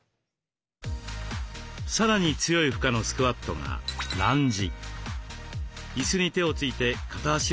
さらに強い負荷のスクワットが「ランジ」。